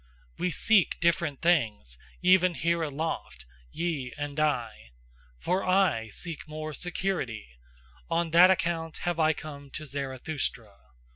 We SEEK different things even here aloft, ye and I. For I seek more SECURITY; on that account have I come to Zarathustra.